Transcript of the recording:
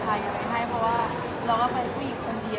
อศัตรูคลิปมายไม่มาจากอินที่